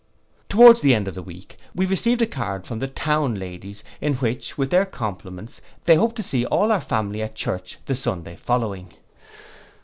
Towards the end of the week we received a card from the town ladies; in which, with their compliments, they hoped to see all our family at church the Sunday following.